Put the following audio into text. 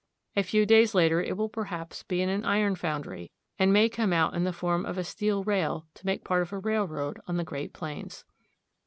A few days later it will perhaps be in an iron foundry, and may come out in the form of a steel rail to make part of a railroad on the great plains.